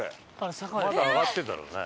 玉木：まだ上がってるんだろうね。